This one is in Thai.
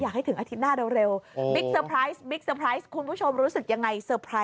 อยากให้ถึงอาทิตย์หน้าเร็วบิ๊กเซอร์ไพรส์คุณผู้ชมรู้สึกยังไง